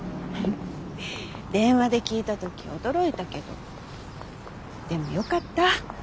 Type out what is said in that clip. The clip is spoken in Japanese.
電話で聞いた時驚いたけどでもよかった。